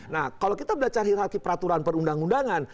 nah kalau kita belajar peraturan perundang undangan